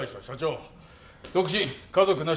独身家族なし。